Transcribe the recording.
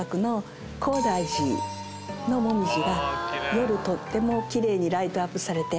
の紅葉が夜とってもきれいにライトアップされて。